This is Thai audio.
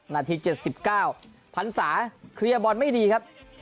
นาที๗๙พันศาเคลียร์บอลไม่ดีครับ